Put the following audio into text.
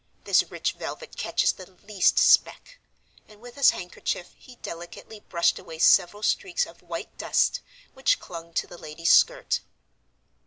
This rich velvet catches the least speck." And with his handkerchief he delicately brushed away several streaks of white dust which clung to the lady's skirt.